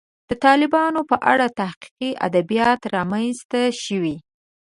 د طالبانو په اړه تحقیقي ادبیات رامنځته شوي.